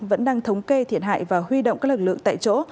vẫn đang thống kê thiệt hại và huy động các lực lượng tại chỗ